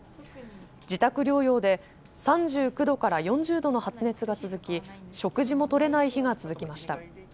自宅療養で３９度から４０度の発熱が続き食事もとれない日が続きました。